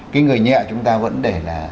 cái người nhẹ chúng ta vẫn để là